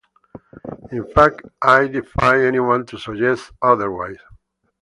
In fact, I defy anyone to suggest otherwise.